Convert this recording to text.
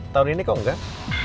tahun ini kok nggak